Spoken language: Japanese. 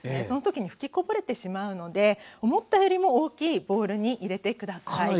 その時に吹きこぼれてしまうので思ったよりも大きいボウルに入れて下さい。